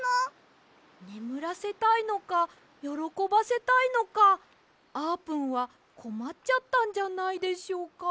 ねむらせたいのかよろこばせたいのかあーぷんはこまっちゃったんじゃないでしょうか。